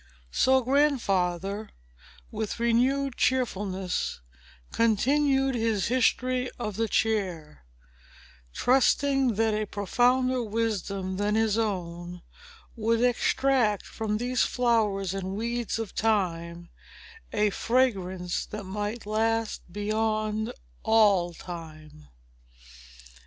So Grandfather, with renewed cheerfulness, continued his history of the chair, trusting that a profounder wisdom than his own would extract, from these flowers and weeds of Time, a fragrance that might last beyond all time.